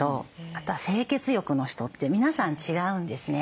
あとは清潔欲の人って皆さん違うんですね。